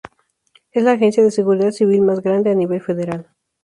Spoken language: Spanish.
Es la agencia de seguridad civil más grande a nivel federal.